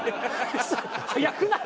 早くない？